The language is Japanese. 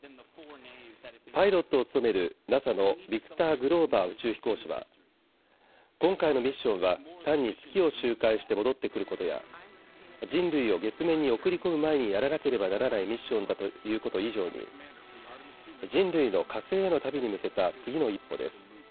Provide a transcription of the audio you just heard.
パイロットを務めるＮＡＳＡのビクター・グローバー宇宙飛行士は、今回のミッションは単に月を周回して戻ってくることや人類を月面に送り込む前にやらなければならないミッションだということ以上に人類の火星への旅に向けた次の一歩です。